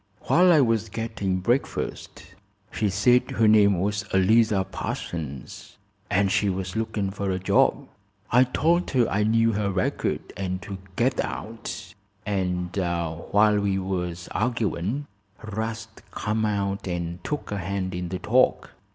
"While I was gettin' breakfast. She said her name was Eliza Parsons, an' she was looking fer a job. I told her I knew her record an' to get out, and while we was arguin' 'Rast come out and took a hand in the talk.